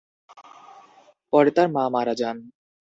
পরে তাঁর মা মারা যান।